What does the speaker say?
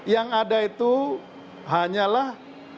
yang ada itu hanyalah